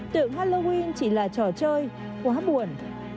tưởng halloween chỉ là trò chơi quá buồn